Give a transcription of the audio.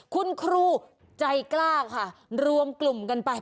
คุณครูใจกล้าค่ะรวมกลุ่มกันไป